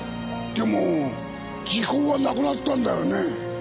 でも時効はなくなったんだよね。